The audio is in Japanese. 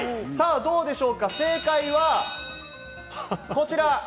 どうでしょうか、正解はこちら！